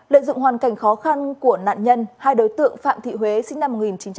lợi dụng hoàn cảnh khó khăn của nạn nhân hai đối tượng phạm thị huế sinh năm một nghìn chín trăm tám mươi